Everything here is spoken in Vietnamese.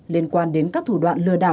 liên quan đến các thủ đoạn lừa đào